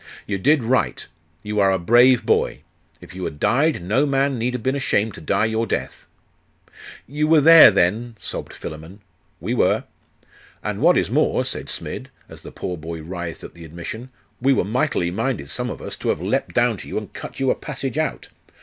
'You did right. You are a brave boy. If you had died, no man need have been ashamed to die your death.' 'You were there, then?' sobbed Philammon. 'We were.' 'And what is more,' said Smid, as the poor boy writhed at the admission, 'we were mightily minded, some of us, to have leapt down to you and cut you a passage out.